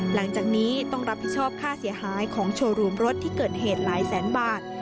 หลังจากนี้ต้องรับผิดชอบค่าเสียหายของโชว์รูมรถที่เกิดเหตุหลายแสนบาท